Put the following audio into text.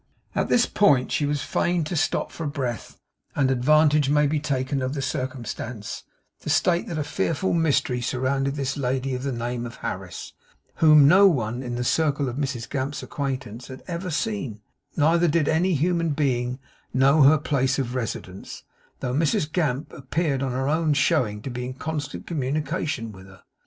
At this point she was fain to stop for breath; and advantage may be taken of the circumstance, to state that a fearful mystery surrounded this lady of the name of Harris, whom no one in the circle of Mrs Gamp's acquaintance had ever seen; neither did any human being know her place of residence, though Mrs Gamp appeared on her own showing to be in constant communication with her.